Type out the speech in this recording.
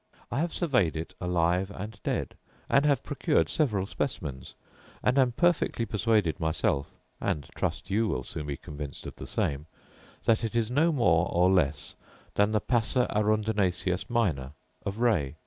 I have surveyed it alive and dead, and have procured several specimens; and am perfectly persuaded myself (and trust you will soon be convinced of the same) that it is no more nor less than the passer arundinaceus minor of Ray.